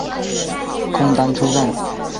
空丹车站。